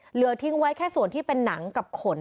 เหลือทิ้งไว้แค่ส่วนที่เป็นหนังกับขน